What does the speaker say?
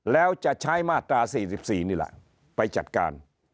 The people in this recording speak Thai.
แล้วจะใช้มาตรา๔๔นี่แหละไปจัดการ